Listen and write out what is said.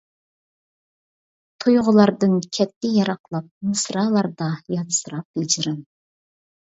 تۇيغۇلاردىن كەتتى يىراقلاپ، مىسرالاردا ياتسىراپ ھىجران.